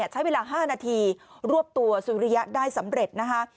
ใช้เวลา๕นาทีรวบตัวสุริยะได้สำเร็จนะคะ